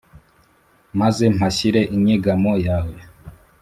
maze mpashyire inyegamo yawe